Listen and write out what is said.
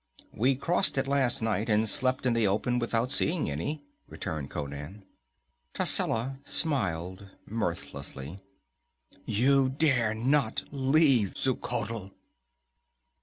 "We crossed it last night, and slept in the open without seeing any," returned Conan. Tascela smiled mirthlessly. "You dare not leave Xuchotl!"